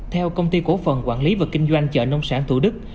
theo công ty cổ phần quản lý và kinh doanh chợ nông sản thủ đức